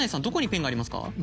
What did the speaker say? どこにペンがありますか？